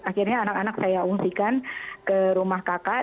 akhirnya anak anak saya ungsikan ke rumah kakak